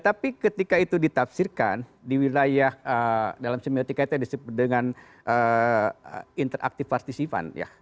tapi ketika itu ditafsirkan di wilayah dalam semiotika itu yang disebut dengan interaktif partisipan ya